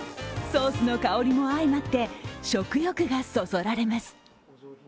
ソースの香りも相まって、食欲がそそられます。